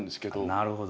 なるほど。